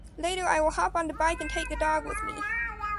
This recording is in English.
Later I will hop on the bike and take the dog with me.